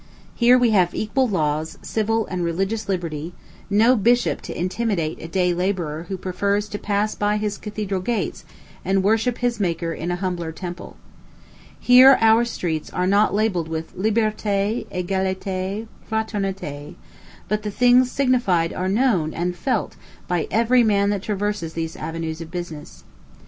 Here we have equal laws, civil and religious liberty, no bishop to intimidate a day laborer who prefers to pass by his cathedral gates and worship his Maker in a humbler temple. Here our streets are not labelled with "Liberté, Egalité, Fraternité," but the things signified are known and felt by every man that traverses these avenues of business.